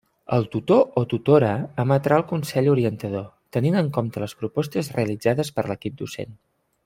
El tutor o tutora emetrà el consell orientador, tenint en compte les propostes realitzades per l'equip docent.